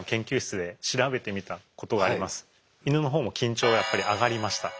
イヌの方も緊張がやっぱり上がりました。